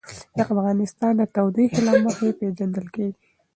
افغانستان د تودوخه له مخې پېژندل کېږي.